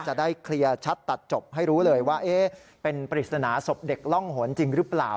จะได้เคลียร์ชัดตัดจบให้รู้เลยว่าเป็นปริศนาศพเด็กร่องหนจริงหรือเปล่า